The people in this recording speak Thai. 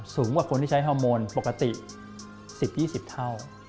สูงกว่าคนที่ใช้ฮอร์โมนปกติ๑๐๒๐เท่า